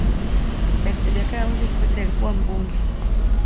dakta jakaya mrisho kikwete alikuwa mbunge